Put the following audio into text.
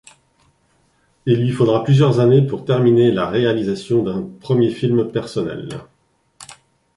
Il lui faudra plusieurs années pour terminer la réalisation d'un premier film personnel.